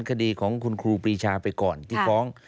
คดีของคุณครูปรีชาไปก่อนที่ฟ้อง